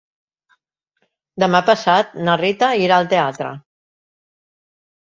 Demà passat na Rita irà al teatre.